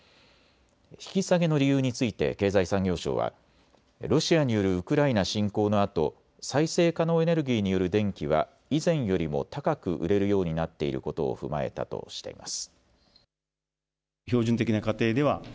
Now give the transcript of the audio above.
引き下げの理由について経済産業省はロシアによるウクライナ侵攻のあと再生可能エネルギーによる電気は以前よりも高く売れるようになっていることを踏まえたとしています。